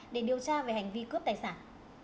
để điều tra về hành vi cướp tài sản